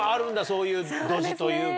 そういうドジというか。